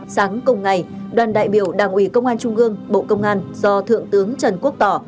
sáng cùng ngày đoàn đại biểu đảng ủy công an trung gương bộ công an do thượng tướng trần quốc tỏ